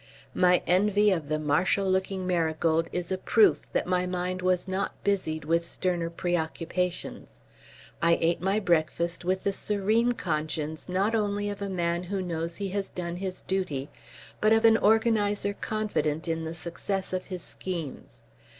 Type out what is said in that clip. My envy of the martial looking Marigold is a proof that my mind was not busied with sterner preoccupations. I ate my breakfast with the serene conscience not only of a man who knows he has done his duty, but of an organiser confident in the success of his schemes.